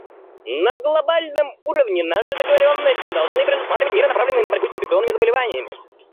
На глобальном уровне наши договоренности должны предусматривать меры, направленные на борьбу с неинфекционными заболеваниями.